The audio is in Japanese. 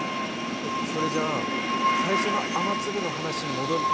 えっそれじゃあ最初の雨粒の話に戻るとどうなるの？